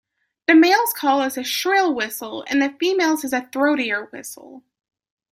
The male's call is a shrill whistle, and the female's is throatier whistle.